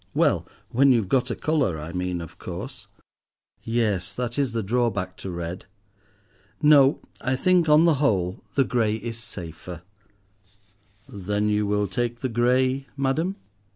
"Well, when you've got a colour, I mean, of course!" "Yes, that is the drawback to red. No, I think, on the whole, the grey is safer." "Then you will take the grey, madam?"